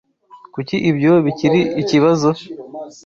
Kuki ibyo bikiri ikibazo?